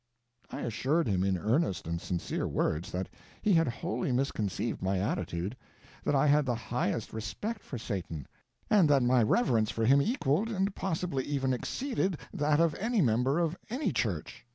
I assured him, in earnest and sincere words, that he had wholly misconceived my attitude; that I had the highest respect for Satan, and that my reverence for him equaled, and possibly even exceeded, that of any member of any church.